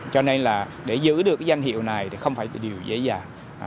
cho nên là để giữ được cái danh hiệu này thì không phải là điều dễ dàng